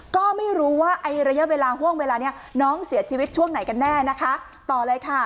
ก็ไม่รู้ว่าไอ้ระยะเวลาห่วงเวลานี้น้องเสียชีวิตช่วงไหนกันแน่นะคะต่อเลยค่ะ